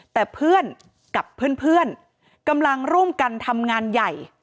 แต่เพื่อนกับเพื่อนกำลังร่วมกันทำงานใหญ่